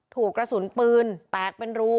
ถูกกระสุนปืนแตกเป็นรู